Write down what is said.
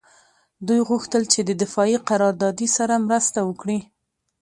دوی غوښتل چې د دفاعي قراردادي سره مرسته وکړي